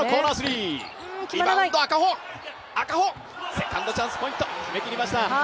セカンドチャンスポイント、決めきりました。